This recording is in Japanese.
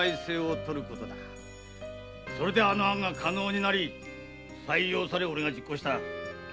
それであの案は可能になり採用され俺が実行した。